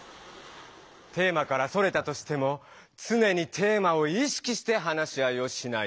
テーマからそれたとしてもつねにテーマをいしきして話し合いをしないと。